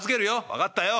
「分かったよ。